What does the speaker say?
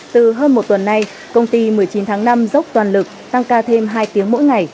từ hơn một tuần nay công ty một mươi chín tháng năm dốc toàn lực tăng ca thêm hai tiếng mỗi ngày